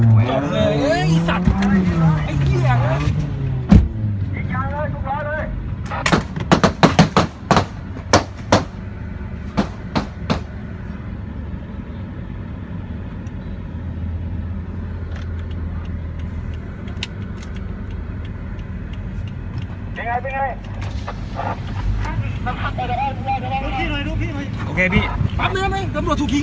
เป็นไงเป็นไงดูพี่หน่อยดูพี่หน่อยโอเคพี่ตามเนี้ยบ้างดำรวจถูกทิ้ง